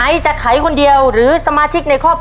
อย่าไปเสียเวลาเหลือมันออกแล้วครับ